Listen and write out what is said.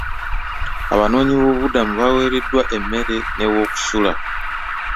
Abanoonyi b'obubudamu baawereddwa emmere n'ewokusula.